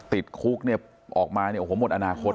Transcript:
ติดคุกออกมาหมดอนาคต